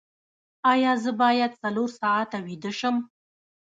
ایا زه باید څلور ساعته ویده شم؟